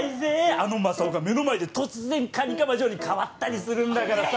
あのマサオが目の前で突然蟹釜ジョーに変わったりするんだからさ。